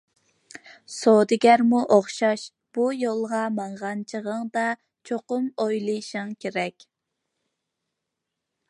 سودىگەرمۇ ئوخشاش، بۇ يولغا ماڭغان چېغىڭدا چوقۇم ئويلىشىڭ كېرەك.